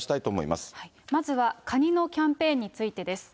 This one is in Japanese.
まずはカニのキャンペーンについてです。